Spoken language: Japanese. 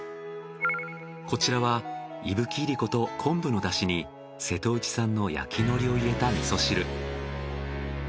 こちらは伊吹いりこと昆布の出汁に瀬戸内産の焼き海苔を入れた味噌汁。